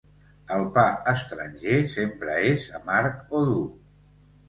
El pa estranger sempre és amarg o dur.